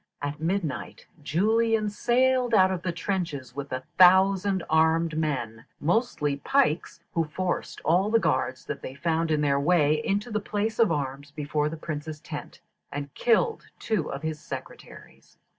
At midnight Julian sallied out of the trenches with a thousand armed men, mostly pikes, who forced all the guards that they found in their way into the place of arms before the Prince's tent, and killed two of his secretaries.